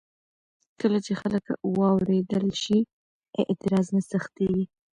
کله چې خلک واورېدل شي، اعتراض نه سختېږي.